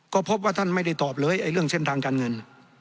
ก็พบว่าท่านไม่ได้ตอบเลยเรื่องเส้นทางการเงิน